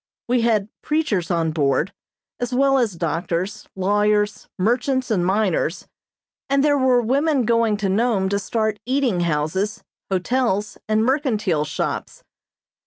We had preachers on board, as well as doctors, lawyers, merchants and miners, and there were women going to Nome to start eating houses, hotels and mercantile shops.